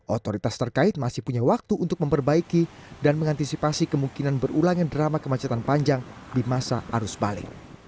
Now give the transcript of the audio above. otoritas terkait masih punya waktu untuk memperbaiki dan mengantisipasi kemungkinan berulangnya drama kemacetan panjang di masa arus balik